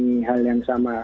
mengalami hal yang sama